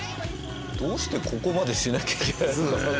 どうしてここまでしなきゃいけないのか。